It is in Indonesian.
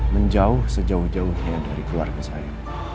menjauh sejauh jauhnya dari keluarga saya